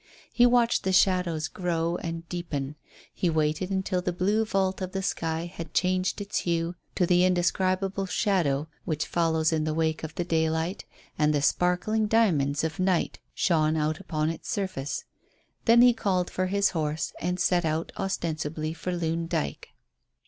He watched the shadows grow and deepen. He waited until the blue vault of the sky had changed its hue to the indescribable shadow which follows in the wake of the daylight, and the sparkling diamonds of night shone out upon its surface; then he called for his horse and set out ostensibly for Loon Dyke.